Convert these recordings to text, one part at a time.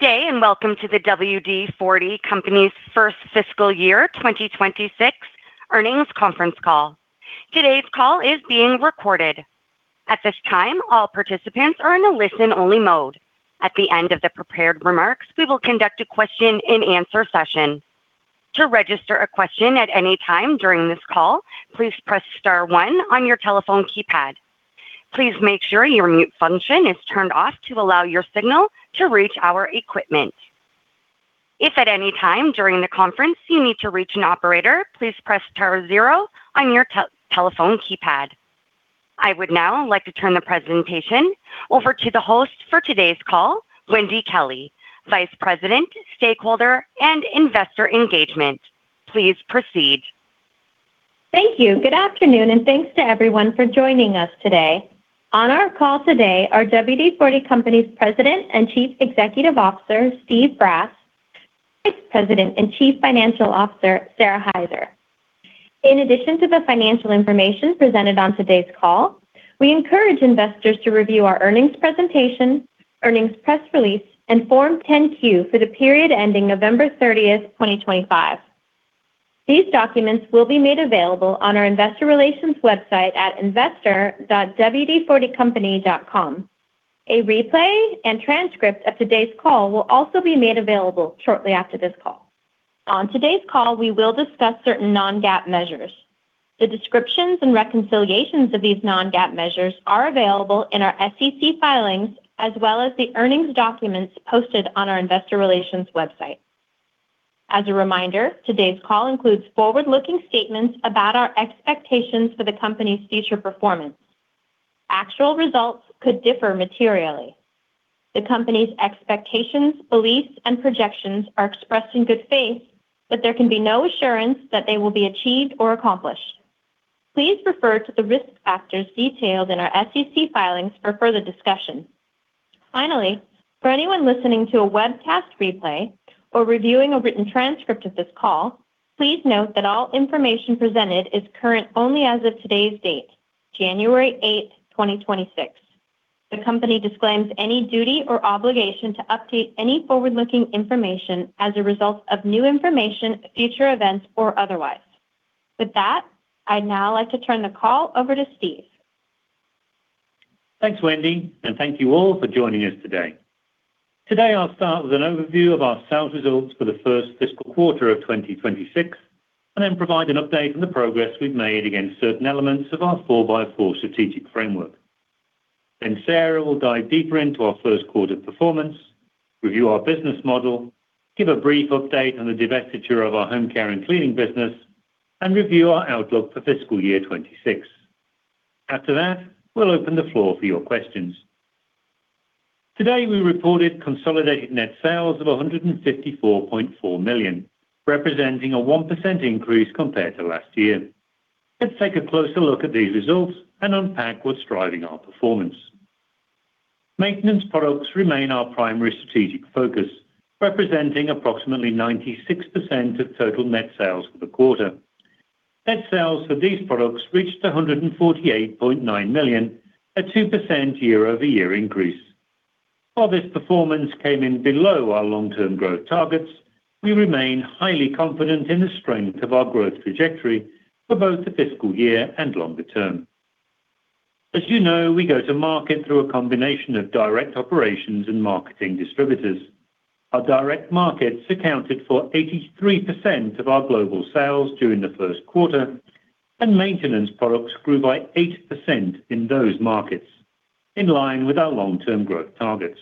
Good day and welcome to the WD-40 Company's First Fiscal Year 2026 Earnings Conference Call. Today's call is being recorded. At this time, all participants are in a listen-only mode. At the end of the prepared remarks, we will conduct a question-and-answer session. To register a question at any time during this call, please press star one on your telephone keypad. Please make sure your mute function is turned off to allow your signal to reach our equipment. If at any time during the conference you need to reach an operator, please press star zero on your telephone keypad. I would now like to turn the presentation over to the host for today's call, Wendy Kelley, Vice President, Stakeholder and Investor Engagement. Please proceed. Thank you. Good afternoon and thanks to everyone for joining us today. On our call today are WD-40 Company's President and Chief Executive Officer, Steve Brass, Vice President and Chief Financial Officer, Sara Hyzer. In addition to the financial information presented on today's call, we encourage investors to review our earnings presentation, earnings press release, and Form 10-Q for the period ending November 30th, 2025. These documents will be made available on our investor relations website at investor.wd40company.com. A replay and transcript of today's call will also be made available shortly after this call. On today's call, we will discuss certain non-GAAP measures. The descriptions and reconciliations of these non-GAAP measures are available in our SEC filings as well as the earnings documents posted on our investor relations website. As a reminder, today's call includes forward-looking statements about our expectations for the company's future performance. Actual results could differ materially. The company's expectations, beliefs, and projections are expressed in good faith, but there can be no assurance that they will be achieved or accomplished. Please refer to the risk factors detailed in our SEC filings for further discussion. Finally, for anyone listening to a webcast replay or reviewing a written transcript of this call, please note that all information presented is current only as of today's date, January 8th, 2026. The company disclaims any duty or obligation to update any forward-looking information as a result of new information, future events, or otherwise. With that, I'd now like to turn the call over to Steve. Thanks, Wendy, and thank you all for joining us today. Today, I'll start with an overview of our sales results for the first fiscal quarter of 2026 and then provide an update on the progress we've made against certain elements of our 4x4 strategic framework. Then Sara will dive deeper into our first quarter performance, review our business model, give a brief update on the divestiture of our home care and cleaning business, and review our outlook for fiscal year 26. After that, we'll open the floor for your questions. Today, we reported consolidated net sales of $154.4 million, representing a 1% increase compared to last year. Let's take a closer look at these results and unpack what's driving our performance. Maintenance products remain our primary strategic focus, representing approximately 96% of total net sales for the quarter. Net sales for these products reached $148.9 million, a 2% year-over-year increase. While this performance came in below our long-term growth targets, we remain highly confident in the strength of our growth trajectory for both the fiscal year and longer term. As you know, we go to market through a combination of direct operations and marketing distributors. Our direct markets accounted for 83% of our global sales during the first quarter, and maintenance products grew by 8% in those markets, in line with our long-term growth targets.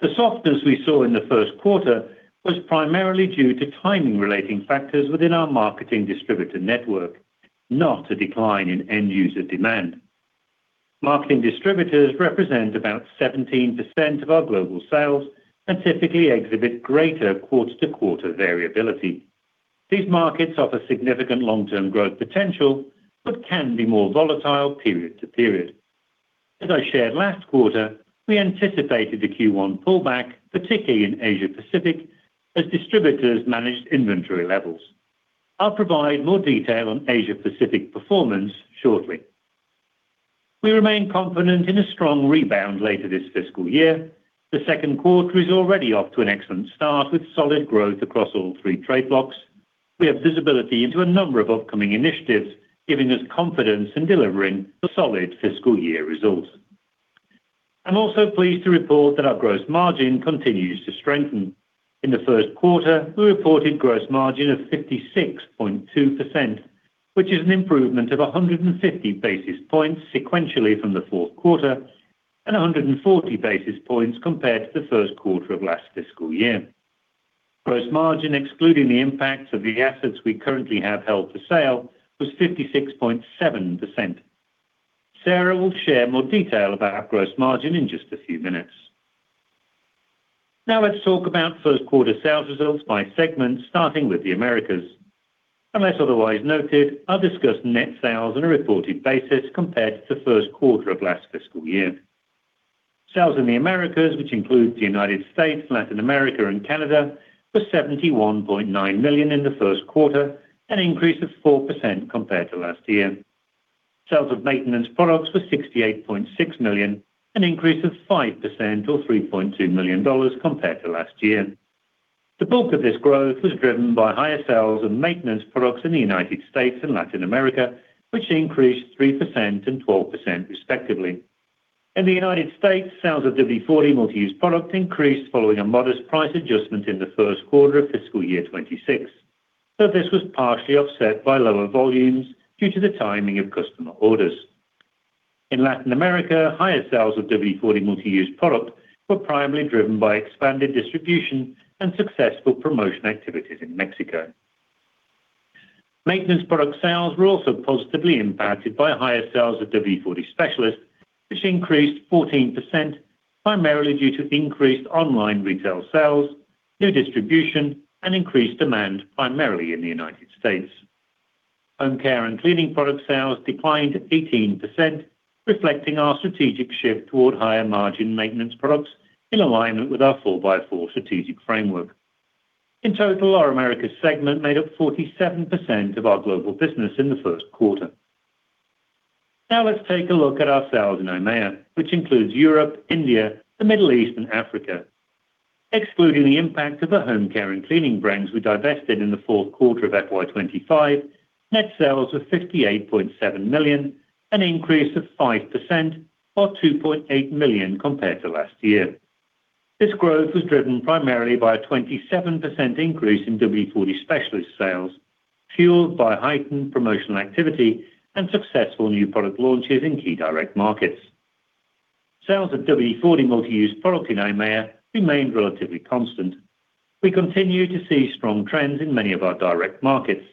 The softness we saw in the first quarter was primarily due to timing-related factors within our marketing distributor network, not a decline in end-user demand. Marketing distributors represent about 17% of our global sales and typically exhibit greater quarter-to-quarter variability. These markets offer significant long-term growth potential but can be more volatile period to period. As I shared last quarter, we anticipated a Q1 pullback, particularly in Asia Pacific, as distributors managed inventory levels. I'll provide more detail on Asia Pacific performance shortly. We remain confident in a strong rebound later this fiscal year. The second quarter is already off to an excellent start with solid growth across all three trade blocs. We have visibility into a number of upcoming initiatives, giving us confidence in delivering solid fiscal year results. I'm also pleased to report that our gross margin continues to strengthen. In the first quarter, we reported gross margin of 56.2%, which is an improvement of 150 basis points sequentially from the fourth quarter and 140 basis points compared to the first quarter of last fiscal year. Gross margin, excluding the impacts of the assets we currently have held for sale, was 56.7%. Sara will share more detail about gross margin in just a few minutes. Now, let's talk about first quarter sales results by segment, starting with the Americas. Unless otherwise noted, I'll discuss net sales on a reported basis compared to the first quarter of last fiscal year. Sales in the Americas, which includes the United States, Latin America, and Canada, were $71.9 million in the first quarter, an increase of 4% compared to last year. Sales of maintenance products were $68.6 million, an increase of 5% or $3.2 million compared to last year. The bulk of this growth was driven by higher sales of maintenance products in the United States and Latin America, which increased 3% and 12% respectively. In the United States, sales of WD-40 Multi-Use Product increased following a modest price adjustment in the first quarter of fiscal year 2026, though this was partially offset by lower volumes due to the timing of customer orders. In Latin America, higher sales of WD-40 Multi-Use Product were primarily driven by expanded distribution and successful promotion activities in Mexico. Maintenance product sales were also positively impacted by higher sales of WD-40 Specialist, which increased 14%, primarily due to increased online retail sales, new distribution, and increased demand, primarily in the United States. Home care and cleaning product sales declined 18%, reflecting our strategic shift toward higher margin maintenance products in alignment with our 4x4 Strategic Framework. In total, our Americas segment made up 47% of our global business in the first quarter. Now, let's take a look at our sales in EIMEA, which includes Europe, India, the Middle East, and Africa. Excluding the impact of the home care and cleaning brands we divested in the fourth quarter of FY25, net sales were $58.7 million, an increase of 5% or $2.8 million compared to last year. This growth was driven primarily by a 27% increase in WD-40 Specialist sales, fueled by heightened promotional activity and successful new product launches in key direct markets. Sales of WD-40 Multi-Use Product in EIMEA remained relatively constant. We continue to see strong trends in many of our direct markets.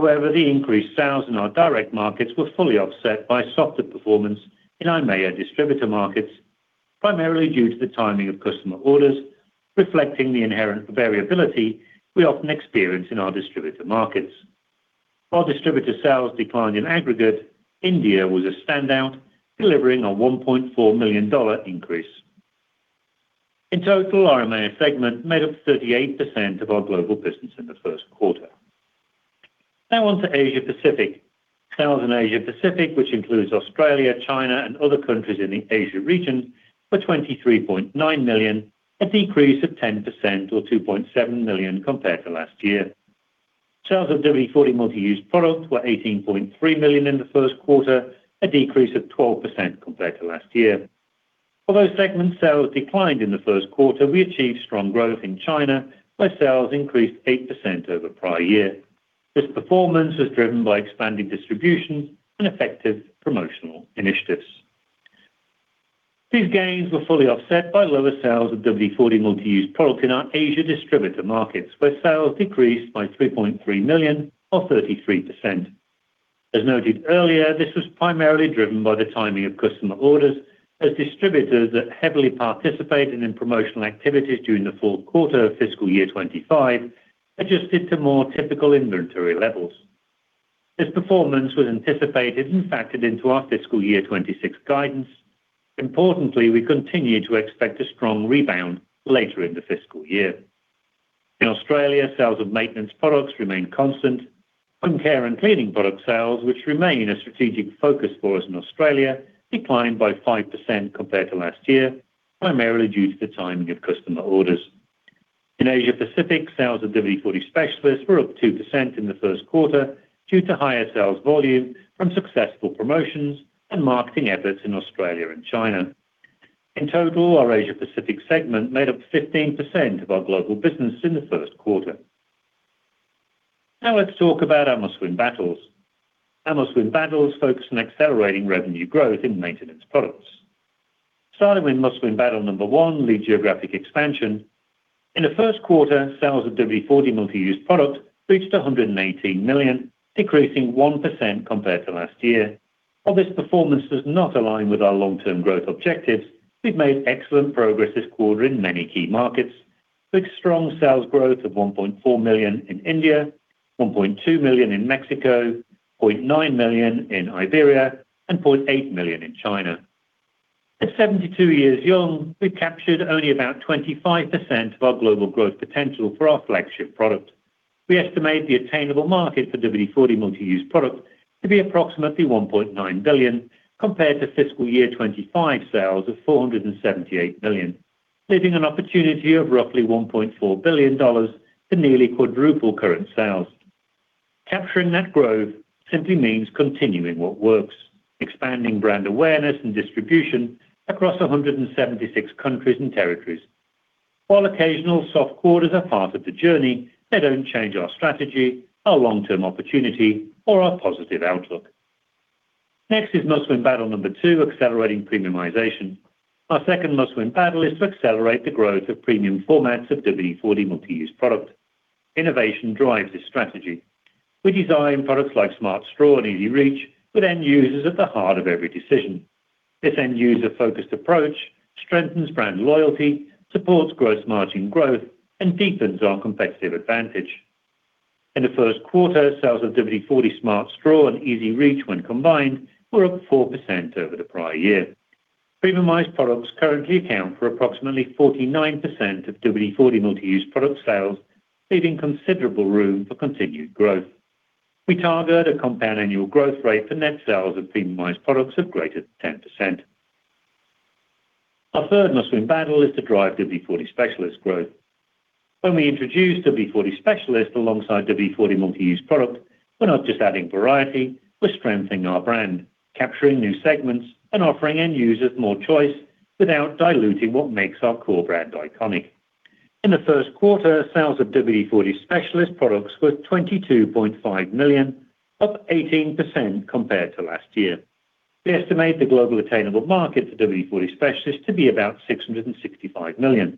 However, the increased sales in our direct markets were fully offset by softer performance in EIMEA distributor markets, primarily due to the timing of customer orders, reflecting the inherent variability we often experience in our distributor markets. While distributor sales declined in aggregate, India was a standout, delivering a $1.4 million increase. In total, our EIMEA segment made up 38% of our global business in the first quarter. Now, on to Asia Pacific. Sales in Asia Pacific, which includes Australia, China, and other countries in the Asia region, were $23.9 million, a decrease of 10% or $2.7 million compared to last year. Sales of WD-40 multi-use product were $18.3 million in the first quarter, a decrease of 12% compared to last year. Although segment sales declined in the first quarter, we achieved strong growth in China, where sales increased 8% over prior year. This performance was driven by expanded distribution and effective promotional initiatives. These gains were fully offset by lower sales of WD-40 multi-use product in our Asia distributor markets, where sales decreased by $3.3 million or 33%. As noted earlier, this was primarily driven by the timing of customer orders, as distributors that heavily participated in promotional activities during the fourth quarter of fiscal year 2025 adjusted to more typical inventory levels. This performance was anticipated and factored into our fiscal year 26 guidance. Importantly, we continue to expect a strong rebound later in the fiscal year. In Australia, sales of maintenance products remained constant. Home care and cleaning product sales, which remain a strategic focus for us in Australia, declined by 5% compared to last year, primarily due to the timing of customer orders. In Asia Pacific, sales of WD-40 Specialist were up 2% in the first quarter due to higher sales volume from successful promotions and marketing efforts in Australia and China. In total, our Asia Pacific segment made up 15% of our global business in the first quarter. Now, let's talk about our Must-Win Battles. Our Must-Win Battles focus on accelerating revenue growth in maintenance products. Starting with Must-Win Battle number one, Lead Geographic Expansion. In the first quarter, sales of WD-40 Multi-Use Product reached $118 million, decreasing 1% compared to last year. While this performance does not align with our long-term growth objectives, we've made excellent progress this quarter in many key markets, with strong sales growth of $1.4 million in India, $1.2 million in Mexico, $0.9 million in Iberia, and $0.8 million in China. At 72 years young, we've captured only about 25% of our global growth potential for our flagship product. We estimate the attainable market for WD-40 Multi-Use Product to be approximately $1.9 billion compared to fiscal year 2025 sales of $478 million, leaving an opportunity of roughly $1.4 billion to nearly quadruple current sales. Capturing that growth simply means continuing what works, expanding brand awareness and distribution across 176 countries and territories. While occasional soft quarters are part of the journey, they don't change our strategy, our long-term opportunity, or our positive outlook. Next is Must-Win Battle number two, accelerating premiumization. Our second Must-Win Battle is to accelerate the growth of premium formats of WD-40 Multi-Use Product. Innovation drives this strategy. We design products like Smart Straw and EZ-Reach, with end users at the heart of every decision. This end-user-focused approach strengthens brand loyalty, supports gross margin growth, and deepens our competitive advantage. In the first quarter, sales of WD-40 Smart Straw and EZ-Reach, when combined, were up 4% over the prior year. Premiumized products currently account for approximately 49% of WD-40 Multi-Use Product sales, leaving considerable room for continued growth. We target a compound annual growth rate for net sales of premiumized products of greater than 10%. Our third Must-Win Battle is to drive WD-40 Specialist growth. When we introduce WD-40 Specialist alongside WD-40 Multi-Use Product, we're not just adding variety. We're strengthening our brand, capturing new segments, and offering end users more choice without diluting what makes our core brand iconic. In the first quarter, sales of WD-40 Specialist products were $22.5 million, up 18% compared to last year. We estimate the global attainable market for WD-40 Specialist to be about $665 million,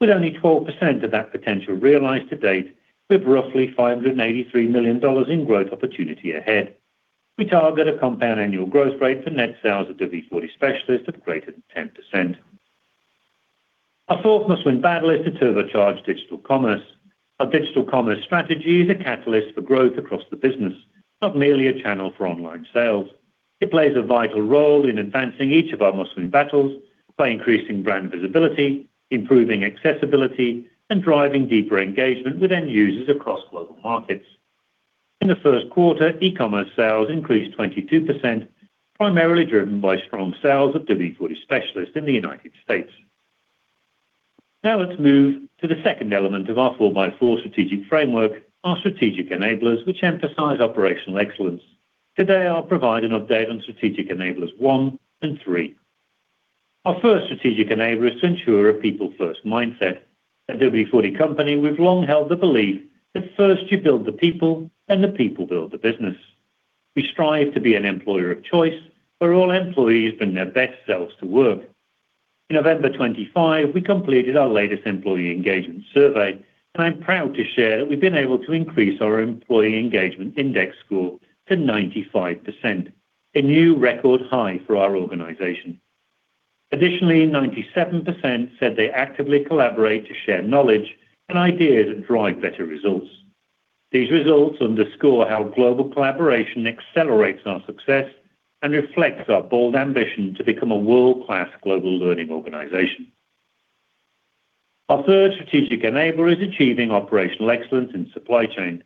with only 12% of that potential realized to date, with roughly $583 million in growth opportunity ahead. We target a compound annual growth rate for net sales of WD-40 Specialist of greater than 10%. Our fourth must-win battle is to turbocharge digital commerce. Our digital commerce strategy is a catalyst for growth across the business, not merely a channel for online sales. It plays a vital role in advancing each of our Must-Win Battles by increasing brand visibility, improving accessibility, and driving deeper engagement with end users across global markets. In the first quarter, e-commerce sales increased 22%, primarily driven by strong sales of WD-40 Specialist in the United States. Now, let's move to the second element of our 4x4 Strategic Framework, our Strategic Enablers, which emphasize operational excellence. Today, I'll provide an update on Strategic Enablers one and three. Our first Strategic Enabler is to ensure a people-first mindset. At WD-40 Company, we've long held the belief that first you build the people, then the people build the business. We strive to be an employer of choice where all employees bring their best selves to work. In November 2025, we completed our latest employee engagement survey, and I'm proud to share that we've been able to increase our employee engagement index score to 95%, a new record high for our organization. Additionally, 97% said they actively collaborate to share knowledge and ideas that drive better results. These results underscore how global collaboration accelerates our success and reflects our bold ambition to become a world-class global learning organization. Our third strategic enabler is achieving operational excellence in supply chain.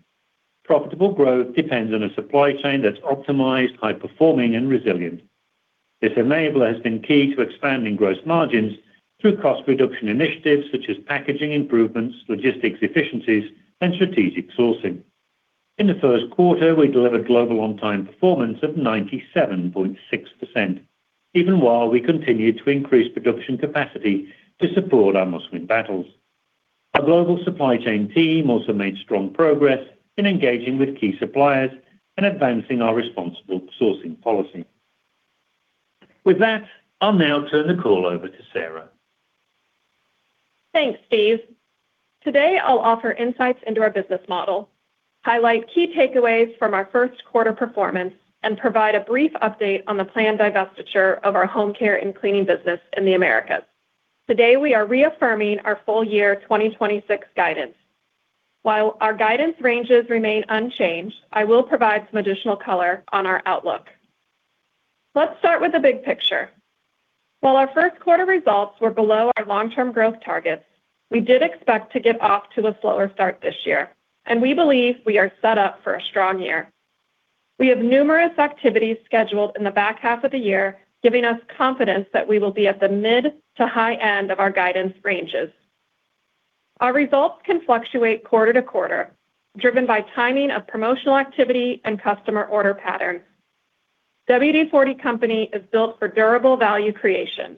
Profitable growth depends on a supply chain that's optimized, high-performing, and resilient. This enabler has been key to expanding gross margins through cost-reduction initiatives such as packaging improvements, logistics efficiencies, and strategic sourcing. In the first quarter, we delivered global on-time performance of 97.6%, even while we continued to increase production capacity to support our must-win battles. Our global supply chain team also made strong progress in engaging with key suppliers and advancing our responsible sourcing policy. With that, I'll now turn the call over to Sara. Thanks, Steve. Today, I'll offer insights into our business model, highlight key takeaways from our first quarter performance, and provide a brief update on the planned divestiture of our home care and cleaning business in the Americas. Today, we are reaffirming our full year 2026 guidance. While our guidance ranges remain unchanged, I will provide some additional color on our outlook. Let's start with the big picture. While our first quarter results were below our long-term growth targets, we did expect to get off to a slower start this year, and we believe we are set up for a strong year. We have numerous activities scheduled in the back half of the year, giving us confidence that we will be at the mid to high end of our guidance ranges. Our results can fluctuate quarter to quarter, driven by timing of promotional activity and customer order patterns. WD-40 Company is built for durable value creation,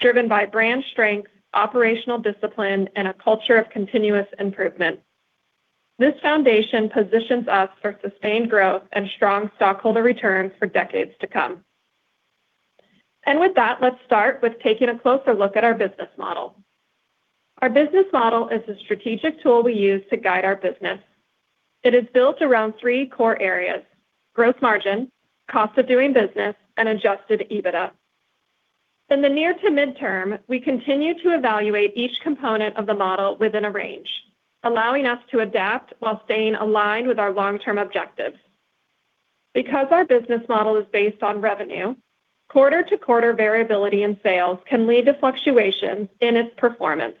driven by brand strength, operational discipline, and a culture of continuous improvement. This foundation positions us for sustained growth and strong stockholder returns for decades to come, and with that, let's start with taking a closer look at our business model. Our business model is a strategic tool we use to guide our business. It is built around three core areas: gross margin, cost of doing business, and adjusted EBITDA. In the near to midterm, we continue to evaluate each component of the model within a range, allowing us to adapt while staying aligned with our long-term objectives. Because our business model is based on revenue, quarter to quarter variability in sales can lead to fluctuations in its performance.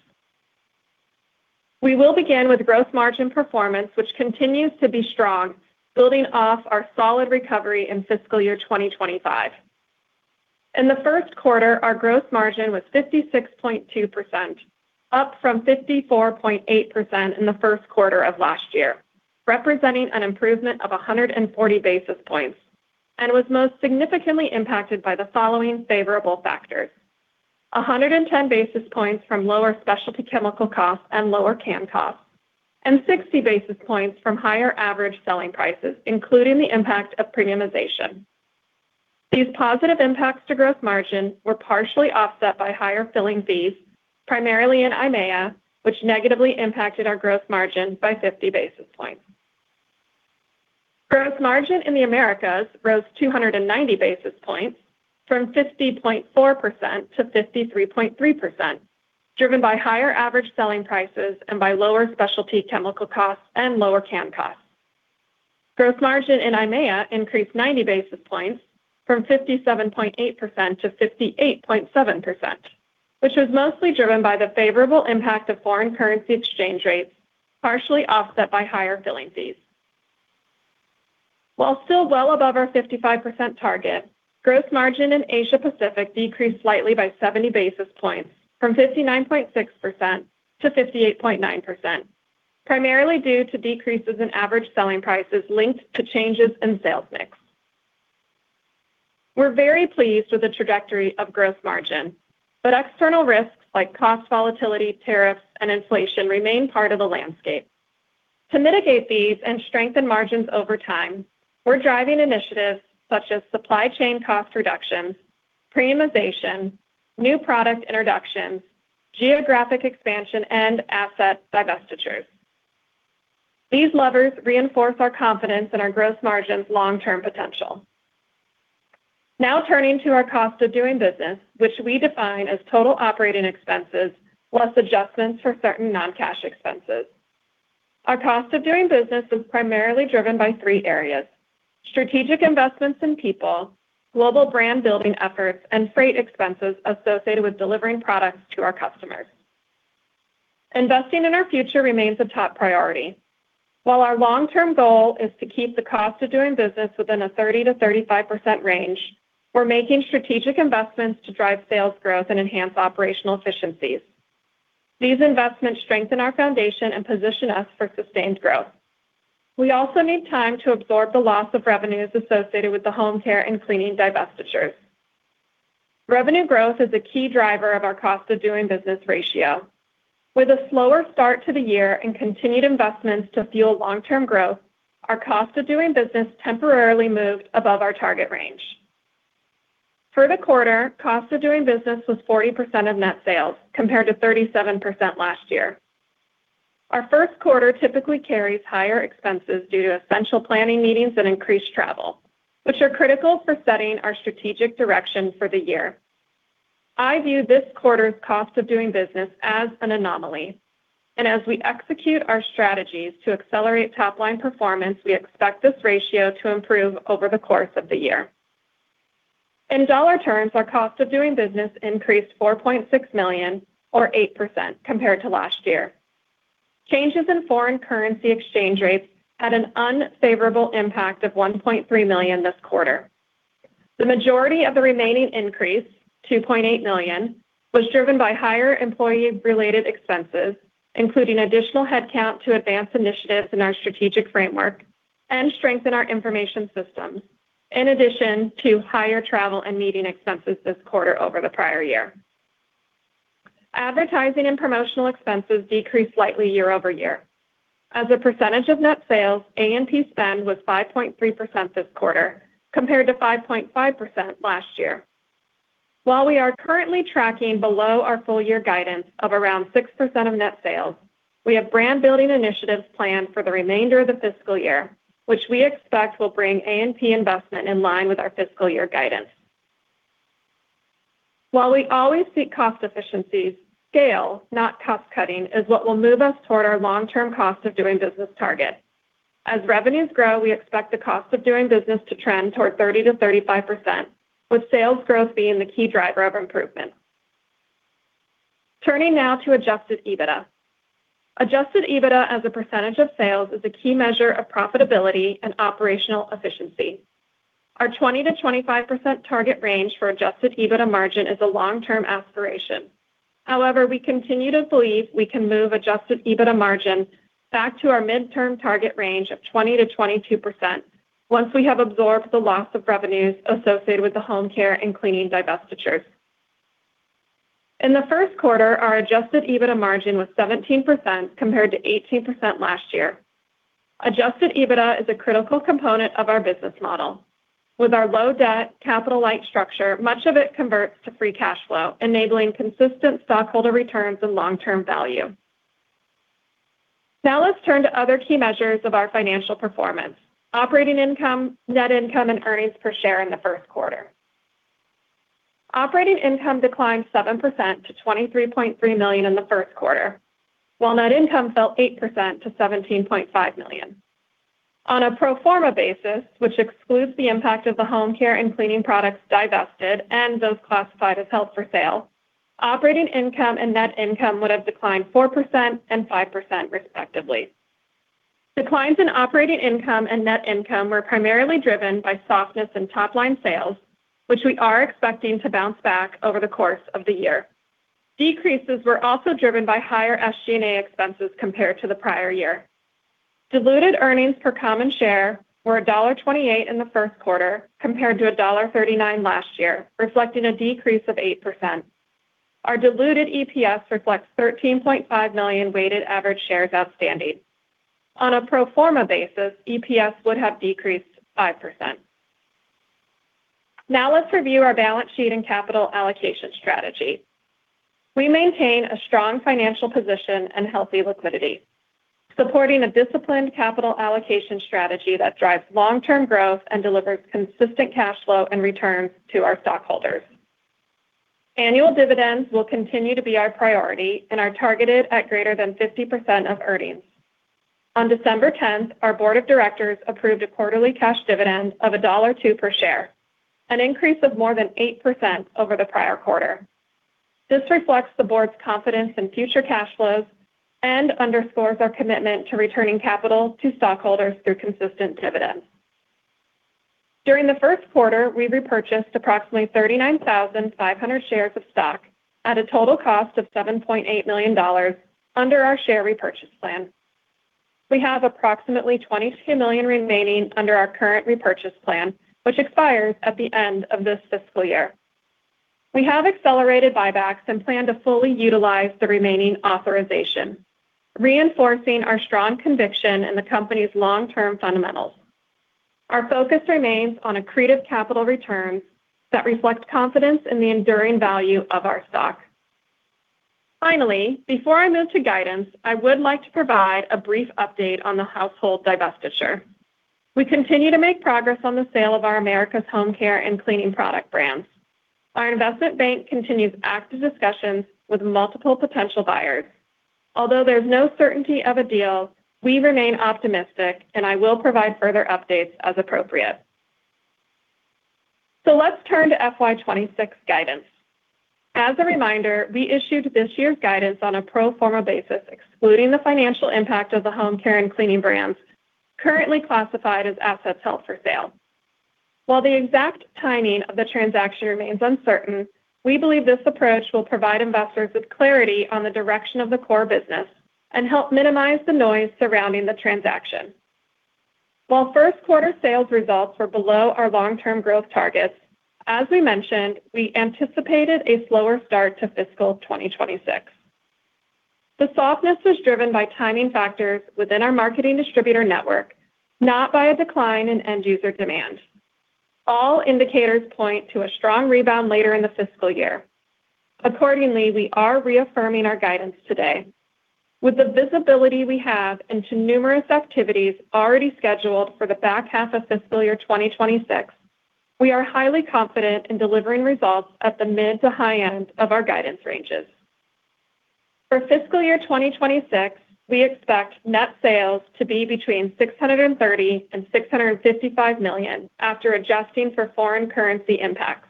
We will begin with Gross Margin performance, which continues to be strong, building off our solid recovery in fiscal year 2025. In the first quarter, our Gross Margin was 56.2%, up from 54.8% in the first quarter of last year, representing an improvement of 140 basis points, and was most significantly impacted by the following favorable factors: 110 basis points from lower specialty chemical costs and lower can costs, and 60 basis points from higher average selling prices, including the impact of premiumization. These positive impacts to gross margin were partially offset by higher filling fees, primarily in EIMEA, which negatively impacted our gross margin by 50 basis points. Gross margin in the Americas rose 290 basis points from 50.4% to 53.3%, driven by higher average selling prices and by lower specialty chemical costs and lower CAM costs. Gross margin in EIMEA increased 90 basis points from 57.8% to 58.7%, which was mostly driven by the favorable impact of foreign currency exchange rates, partially offset by higher filling fees. While still well above our 55% target, gross margin in Asia Pacific decreased slightly by 70 basis points from 59.6% to 58.9%, primarily due to decreases in average selling prices linked to changes in sales mix. We're very pleased with the trajectory of gross margin, but external risks like cost volatility, tariffs, and inflation remain part of the landscape. To mitigate these and strengthen margins over time, we're driving initiatives such as supply chain cost reductions, premiumization, new product introductions, geographic expansion, and asset divestitures. These levers reinforce our confidence in our gross margin's long-term potential. Now turning to our cost of doing business, which we define as total operating expenses plus adjustments for certain non-cash expenses. Our cost of doing business is primarily driven by three areas: strategic investments in people, global brand building efforts, and freight expenses associated with delivering products to our customers. Investing in our future remains a top priority. While our long-term goal is to keep the cost of doing business within a 30%-35% range, we're making strategic investments to drive sales growth and enhance operational efficiencies. These investments strengthen our foundation and position us for sustained growth. We also need time to absorb the loss of revenues associated with the home care and cleaning divestitures. Revenue growth is a key driver of our Cost of Doing Business ratio. With a slower start to the year and continued investments to fuel long-term growth, our Cost of Doing Business temporarily moved above our target range. For the quarter, Cost of Doing Business was 40% of net sales compared to 37% last year. Our first quarter typically carries higher expenses due to essential planning meetings and increased travel, which are critical for setting our strategic direction for the year. I view this quarter's Cost of Doing Business as an anomaly, and as we execute our strategies to accelerate top-line performance, we expect this ratio to improve over the course of the year. In dollar terms, our Cost of Doing Business increased $4.6 million, or 8%, compared to last year. Changes in foreign currency exchange rates had an unfavorable impact of $1.3 million this quarter. The majority of the remaining increase, $2.8 million, was driven by higher employee-related expenses, including additional headcount to advance initiatives in our strategic framework and strengthen our information systems, in addition to higher travel and meeting expenses this quarter over the prior year. Advertising and promotional expenses decreased slightly year-over-year. As a percentage of net sales, A&P spend was 5.3% this quarter, compared to 5.5% last year. While we are currently tracking below our full-year guidance of around 6% of net sales, we have brand-building initiatives planned for the remainder of the fiscal year, which we expect will bring A&P investment in line with our fiscal year guidance. While we always seek cost efficiencies, scale, not cost-cutting, is what will move us toward our long-term cost of doing business target. As revenues grow, we expect the Cost of Doing Business to trend toward 30%-35%, with sales growth being the key driver of improvement. Turning now to Adjusted EBITDA. Adjusted EBITDA as a percentage of sales is a key measure of profitability and operational efficiency. Our 20%-25% target range for Adjusted EBITDA margin is a long-term aspiration. However, we continue to believe we can move Adjusted EBITDA margin back to our midterm target range of 20%-22% once we have absorbed the loss of revenues associated with the home care and cleaning divestitures. In the first quarter, our Adjusted EBITDA margin was 17% compared to 18% last year. Adjusted EBITDA is a critical component of our business model. With our low debt, capital-light structure, much of it converts to free cash flow, enabling consistent stockholder returns and long-term value. Now let's turn to other key measures of our financial performance: operating income, net income, and earnings per share in the first quarter. Operating income declined 7% to $23.3 million in the first quarter, while net income fell 8% to $17.5 million. On a pro forma basis, which excludes the impact of the home care and cleaning products divested and those classified as held for sale, operating income and net income would have declined 4% and 5%, respectively. Declines in operating income and net income were primarily driven by softness in top-line sales, which we are expecting to bounce back over the course of the year. Decreases were also driven by higher SG&A expenses compared to the prior year. Diluted earnings per common share were $1.28 in the first quarter compared to $1.39 last year, reflecting a decrease of 8%. Our diluted EPS reflects 13.5 million weighted average shares outstanding. On a pro forma basis, EPS would have decreased 5%. Now let's review our balance sheet and capital allocation strategy. We maintain a strong financial position and healthy liquidity, supporting a disciplined capital allocation strategy that drives long-term growth and delivers consistent cash flow and returns to our stockholders. Annual dividends will continue to be our priority and are targeted at greater than 50% of earnings. On December 10th, our board of directors approved a quarterly cash dividend of $1.02 per share, an increase of more than 8% over the prior quarter. This reflects the board's confidence in future cash flows and underscores our commitment to returning capital to stockholders through consistent dividends. During the first quarter, we repurchased approximately 39,500 shares of stock at a total cost of $7.8 million under our share repurchase plan. We have approximately 22 million remaining under our current repurchase plan, which expires at the end of this fiscal year. We have accelerated buybacks and plan to fully utilize the remaining authorization, reinforcing our strong conviction in the company's long-term fundamentals. Our focus remains on accretive capital returns that reflect confidence in the enduring value of our stock. Finally, before I move to guidance, I would like to provide a brief update on the household divestiture. We continue to make progress on the sale of our Americas Home Care and Cleaning Product brands. Our investment bank continues active discussions with multiple potential buyers. Although there's no certainty of a deal, we remain optimistic, and I will provide further updates as appropriate. So let's turn to FY26 guidance. As a reminder, we issued this year's guidance on a pro forma basis, excluding the financial impact of the home care and cleaning brands currently classified as assets held for sale. While the exact timing of the transaction remains uncertain, we believe this approach will provide investors with clarity on the direction of the core business and help minimize the noise surrounding the transaction. While first quarter sales results were below our long-term growth targets, as we mentioned, we anticipated a slower start to fiscal 2026. The softness was driven by timing factors within our marketing distributor network, not by a decline in end user demand. All indicators point to a strong rebound later in the fiscal year. Accordingly, we are reaffirming our guidance today. With the visibility we have into numerous activities already scheduled for the back half of fiscal year 2026, we are highly confident in delivering results at the mid to high end of our guidance ranges. For fiscal year 2026, we expect net sales to be between $630 million and $655 million after adjusting for foreign currency impacts,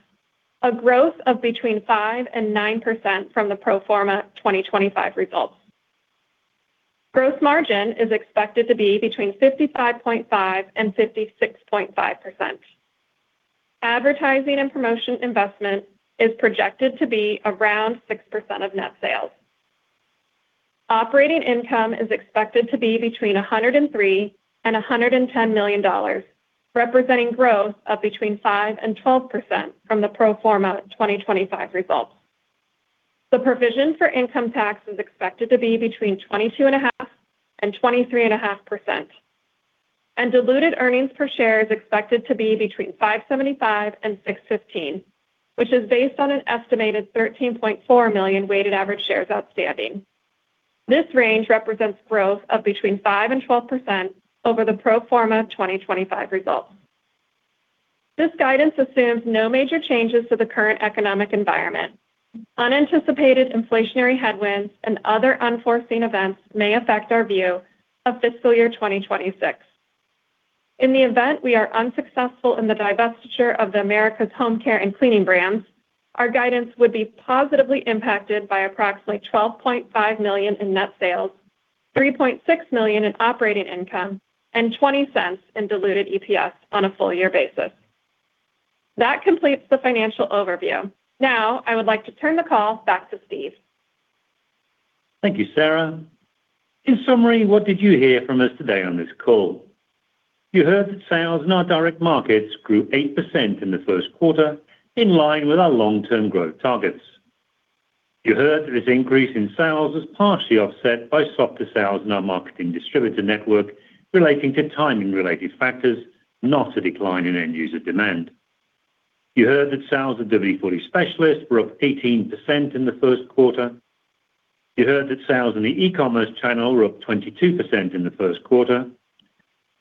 a growth of between 5% and 9% from the pro forma 2025 results. Gross margin is expected to be between 55.5% and 56.5%. Advertising and promotion investment is projected to be around 6% of net sales. Operating income is expected to be between $103 million and $110 million, representing growth of between 5% and 12% from the pro forma 2025 results. The provision for income tax is expected to be between 22.5% and 23.5%. Diluted earnings per share is expected to be between $5.75 and $6.15, which is based on an estimated 13.4 million weighted average shares outstanding. This range represents growth of between 5% and 12% over the pro forma 2025 results. This guidance assumes no major changes to the current economic environment. Unanticipated inflationary headwinds and other unforeseen events may affect our view of fiscal year 2026. In the event we are unsuccessful in the divestiture of the Americas Home Care and Cleaning brands, our guidance would be positively impacted by approximately $12.5 million in net sales, $3.6 million in operating income, and $0.20 in diluted EPS on a full-year basis. That completes the financial overview. Now I would like to turn the call back to Steve. Thank you, Sara. In summary, what did you hear from us today on this call? You heard that sales in our direct markets grew 8% in the first quarter, in line with our long-term growth targets. You heard that this increase in sales was partially offset by softer sales in our marketing distributor network relating to timing-related factors, not a decline in end user demand. You heard that sales of WD-40 Specialist were up 18% in the first quarter. You heard that sales in the e-commerce channel were up 22% in the first quarter.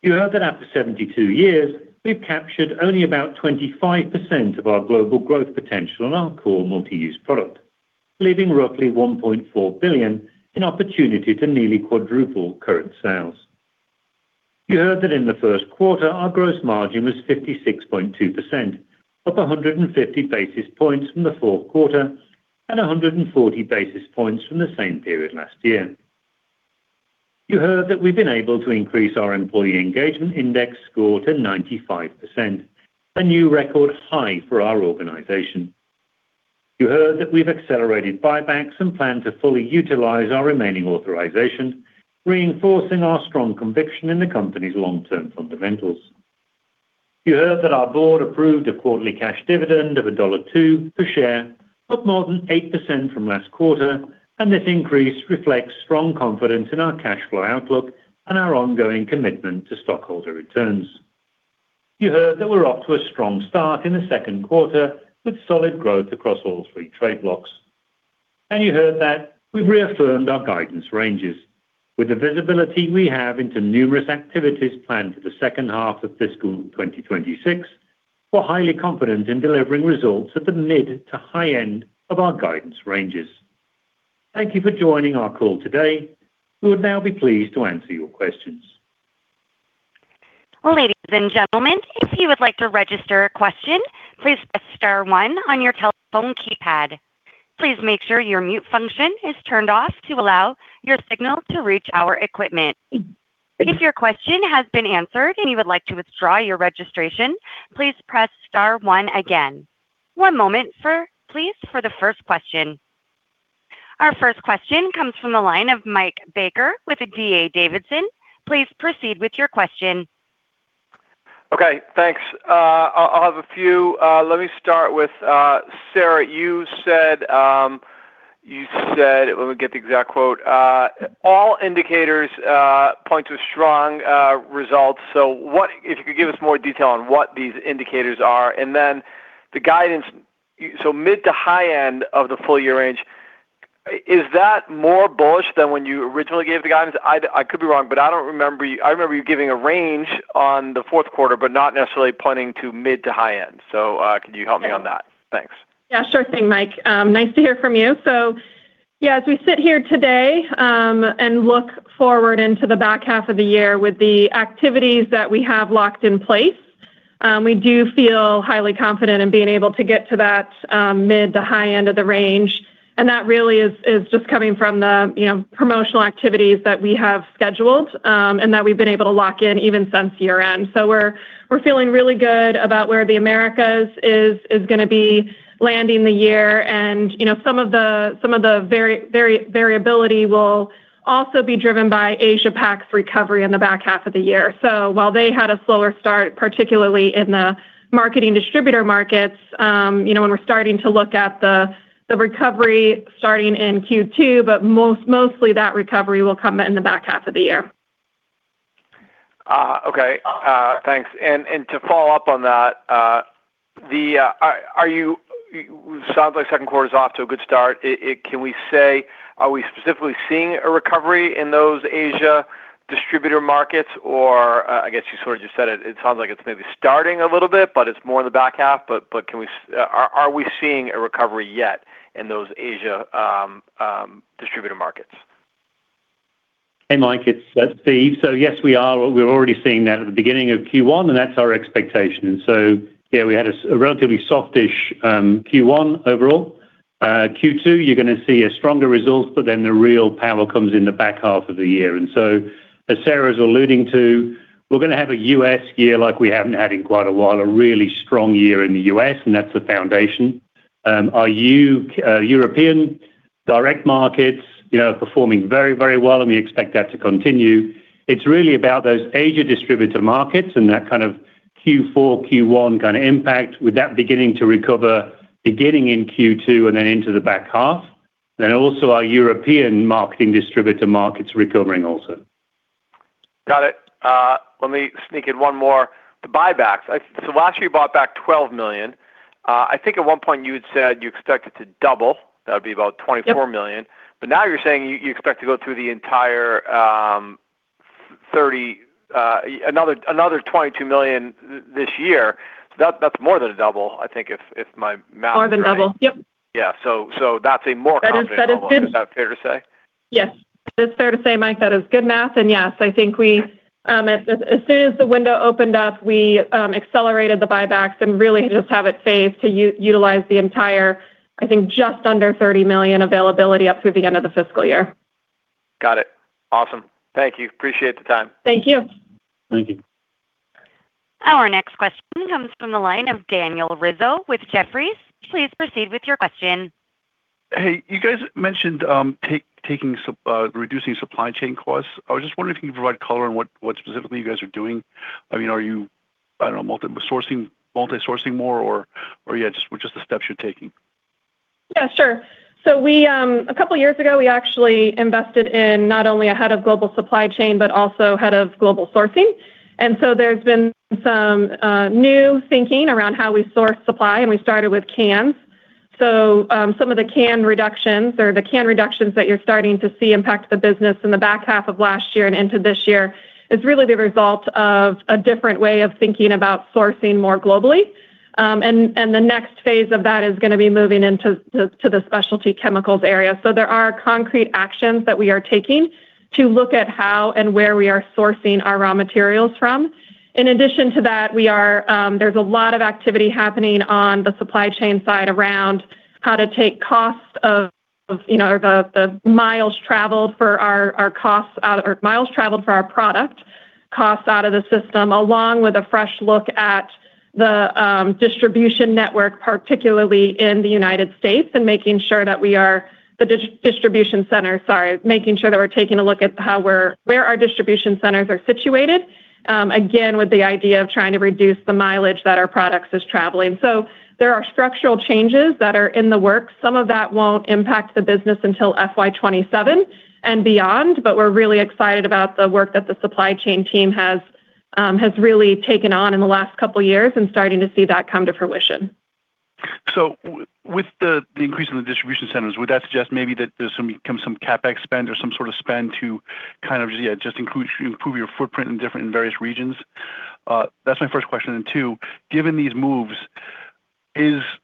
You heard that after 72 years, we've captured only about 25% of our global growth potential on our core multi-use product, leaving roughly $1.4 billion in opportunity to nearly quadruple current sales. You heard that in the first quarter, our gross margin was 56.2%, up 150 basis points from the fourth quarter and 140 basis points from the same period last year. You heard that we've been able to increase our employee engagement index score to 95%, a new record high for our organization. You heard that we've accelerated buybacks and plan to fully utilize our remaining authorization, reinforcing our strong conviction in the company's long-term fundamentals. You heard that our board approved a quarterly cash dividend of $1.02 per share, up more than 8% from last quarter, and this increase reflects strong confidence in our cash flow outlook and our ongoing commitment to stockholder returns. You heard that we're off to a strong start in the second quarter with solid growth across all three trading blocs. And you heard that we've reaffirmed our guidance ranges. With the visibility we have into numerous activities planned for the second half of fiscal 2026, we're highly confident in delivering results at the mid to high end of our guidance ranges. Thank you for joining our call today. We would now be pleased to answer your questions. Ladies and gentlemen, if you would like to register a question, please press star one on your telephone keypad. Please make sure your mute function is turned off to allow your signal to reach our equipment. If your question has been answered and you would like to withdraw your registration, please press star one again. One moment, please, for the first question. Our first question comes from the line of Mike Baker with D.A. Davidson. Please proceed with your question. Okay, thanks. I'll have a few. Let me start with Sara. You said, let me get the exact quote, "All indicators point to strong results." So if you could give us more detail on what these indicators are. And then the guidance, so mid to high end of the full-year range, is that more bullish than when you originally gave the guidance? I could be wrong, but I don't remember you giving a range on the fourth quarter, but not necessarily pointing to mid to high end. So can you help me on that? Thanks. Yeah, sure thing, Mike. Nice to hear from you. So yeah, as we sit here today and look forward into the back half of the year with the activities that we have locked in place, we do feel highly confident in being able to get to that mid to high end of the range. And that really is just coming from the promotional activities that we have scheduled and that we've been able to lock in even since year-end. We're feeling really good about where the Americas is going to be landing the year. And some of the variability will also be driven by Asia-Pac's recovery in the back half of the year. So while they had a slower start, particularly in the marketing distributor markets, when we're starting to look at the recovery starting in Q2, but mostly that recovery will come in the back half of the year. Okay, thanks. And to follow up on that, it sounds like second quarter is off to a good start. Can we say, are we specifically seeing a recovery in those Asia distributor markets? Or I guess you sort of just said it sounds like it's maybe starting a little bit, but it's more in the back half. But are we seeing a recovery yet in those Asia distributor markets? Hey, Mike, it's Steve. So yes, we are. We're already seeing that at the beginning of Q1, and that's our expectation. So yeah, we had a relatively soft-ish Q1 overall. Q2, you're going to see a stronger result, but then the real power comes in the back half of the year. So as Sara is alluding to, we're going to have a U.S. year like we haven't had in quite a while, a really strong year in the U.S., and that's the foundation. Our European direct markets are performing very, very well, and we expect that to continue. It's really about those Asia distributor markets and that kind of Q4, Q1 kind of impact with that beginning to recover beginning in Q2 and then into the back half. Then also our European marketing distributor markets recovering also. Got it. Let me sneak in one more. The buybacks. So last year you bought back 12 million. I think at one point you had said you expected to double. That would be about $24 million. But now you're saying you expect to go through the entire $30 million, another $22 million this year. That's more than a double, I think, if my math is correct. More than double. Yep. Yeah. So that's a more confident number. That is fair to say? Yes. That is fair to say, Mike. That is good math. And yes, I think as soon as the window opened up, we accelerated the buybacks and really just have it phased to utilize the entire, I think, just under $30 million availability up through the end of the fiscal year. Got it. Awesome. Thank you. Appreciate the time. Thank you. Thank you. Our next question comes from the line of Daniel Rizzo with Jefferies. Please proceed with your question. Hey, you guys mentioned reducing supply chain costs. I was just wondering if you could provide color on what specifically you guys are doing. I mean, are you, I don't know, multi-sourcing more or, yeah, just the steps you're taking? Yeah, sure. So a couple of years ago, we actually invested in not only a head of global supply chain, but also a head of global sourcing. And so there's been some new thinking around how we source supply, and we started with cans. So some of the can cost reductions that you're starting to see impact the business in the back half of last year and into this year is really the result of a different way of thinking about sourcing more globally. And the next phase of that is going to be moving into the specialty chemicals area. There are concrete actions that we are taking to look at how and where we are sourcing our raw materials from. In addition to that, there's a lot of activity happening on the supply chain side around how to take costs of the miles traveled for our costs or miles traveled for our product costs out of the system, along with a fresh look at the distribution network, particularly in the United States, and making sure that we are the distribution center, sorry, making sure that we're taking a look at where our distribution centers are situated, again, with the idea of trying to reduce the mileage that our products are traveling. There are structural changes that are in the works. Some of that won't impact the business until FY27 and beyond, but we're really excited about the work that the supply chain team has really taken on in the last couple of years and starting to see that come to fruition. So with the increase in the distribution centers, would that suggest maybe that there's some CapEx spend or some sort of spend to kind of just improve your footprint in various regions? That's my first question. And two, given these moves,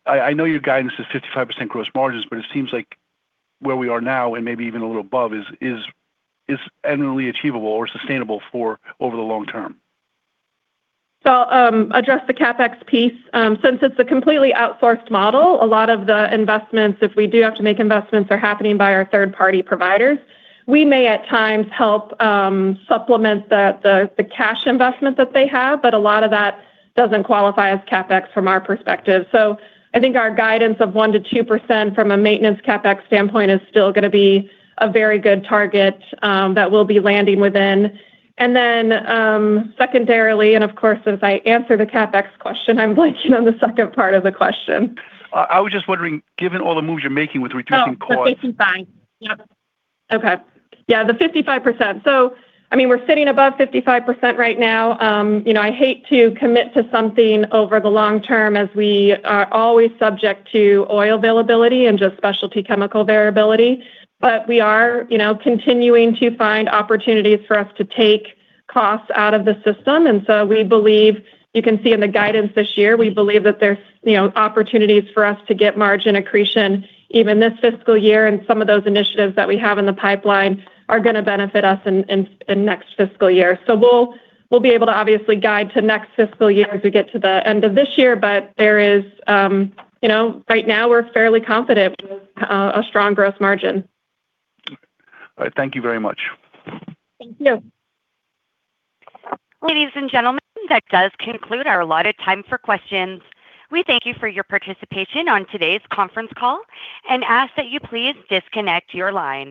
I know your guidance is 55% gross margins, but it seems like where we are now and maybe even a little above is eminently achievable or sustainable for over the long term. So I'll address the CapEx piece. Since it's a completely outsourced model, a lot of the investments, if we do have to make investments, are happening by our third-party providers. We may at times help supplement the cash investment that they have, but a lot of that doesn't qualify as CapEx from our perspective. So I think our guidance of 1% to 2% from a maintenance CapEx standpoint is still going to be a very good target that we'll be landing within. And then secondarily, and of course, as I answer the CapEx question, I'm blanking on the second part of the question. I was just wondering, given all the moves you're making with reducing costs. Yeah, 55%. Yep. Okay. Yeah, the 55%. So I mean, we're sitting above 55% right now. I hate to commit to something over the long term as we are always subject to oil availability and just specialty chemical variability, but we are continuing to find opportunities for us to take costs out of the system. And so we believe you can see in the guidance this year, we believe that there's opportunities for us to get margin accretion even this fiscal year, and some of those initiatives that we have in the pipeline are going to benefit us in next fiscal year. So we'll be able to obviously guide to next fiscal year as we get to the end of this year, but there is right now, we're fairly confident with a strong gross margin. All right. Thank you very much. Thank you. Ladies and gentlemen, that does conclude our allotted time for questions. We thank you for your participation on today's conference call and ask that you please disconnect your line.